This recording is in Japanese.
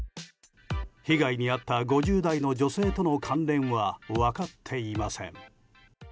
被害に遭った５０代の女性との関連は分かっていません。